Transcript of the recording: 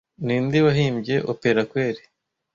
Ninde wahimbye opera kweli